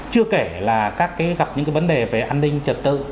chưa kể là các cái gặp những cái vấn đề về an ninh trật tự